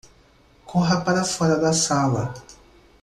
Corra para fora da sala